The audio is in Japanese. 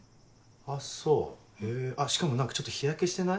あっそうへぇしかも何かちょっと日焼けしてない？